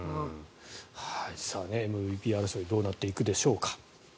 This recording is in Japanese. ＭＶＰ争いどうなっていくでしょうか。